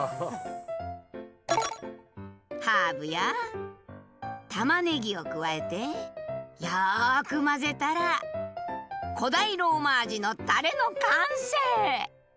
ハーブやたまねぎを加えてよく混ぜたら古代ローマ味のタレの完成！